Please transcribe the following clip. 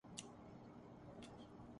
یہ کتاب بالکل ویسی ہے جیسی میری